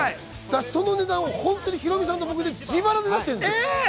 その値段を本当にヒロミさんと僕で自腹で出してるんです。